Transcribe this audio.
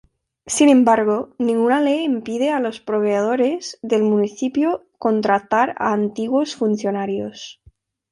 Sin embargo, ninguna ley impide a los proveedores del municipio contratar a antiguos funcionarios.